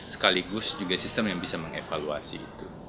sekaligus juga sistem yang bisa mengevaluasi itu